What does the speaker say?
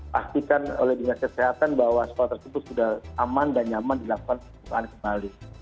pastikan oleh dinas kesehatan bahwa sekolah tersebut sudah aman dan nyaman dilakukan pembukaan kembali